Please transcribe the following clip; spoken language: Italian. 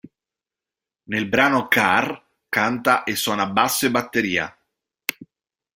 Nel brano Carr canta e suona basso e batteria.